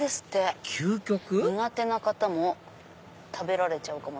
苦手な方も食べられちゃうかも。